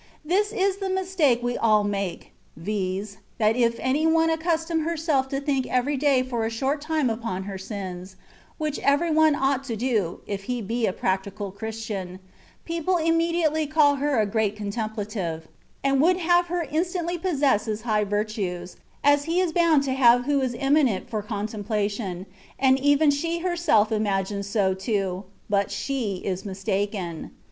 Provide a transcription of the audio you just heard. This is the mistake we all make, viz., that if any one accustom herself to think every day for a short time upon her sins (which every one ought to do, if he be a practical Christian), people im mediately call her a great ^^ contemplative,^^ and would have her instantly possess as high virtues, as he is bound to have who is eminent for contem plation, and even she herself imagines so too, but she is mistaken.